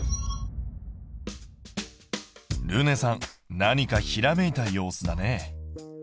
るねさん何かひらめいた様子だね。